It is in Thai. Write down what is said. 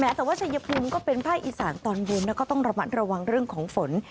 แต่ว่าชัยภูมิก็เป็นภาคอีสานตอนบนแล้วก็ต้องระมัดระวังเรื่องของฝน